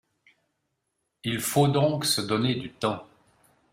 Il faut donc se donner du temps.